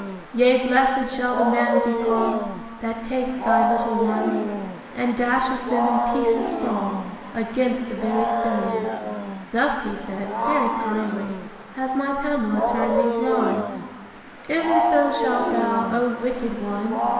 X. Yea, blessed shall the man be call'd That takes thy little ones, And dasheth them in pieces small Against the very stones. Thus he said, very kindly, has my Pamela turned these lines: IX. Ev'n so shalt thou, O wicked one!